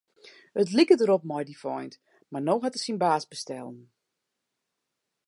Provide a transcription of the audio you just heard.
It like derop mei dy feint, mar no hat er syn baas bestellen.